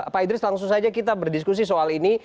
pak idris langsung saja kita berdiskusi soal ini